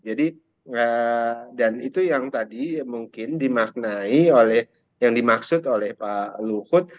jadi dan itu yang tadi mungkin dimaknai oleh yang dimaksud oleh pak luhut